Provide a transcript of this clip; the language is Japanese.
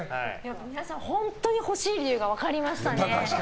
皆さん、本当に欲しい理由が分かりましたね。